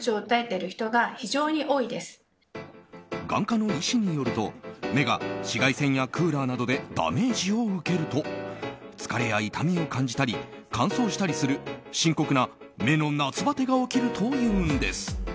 眼科の医師によると目が紫外線やクーラーなどでダメージを受けると疲れや痛みを感じたり乾燥したりする深刻な目の夏バテが起きるというんです。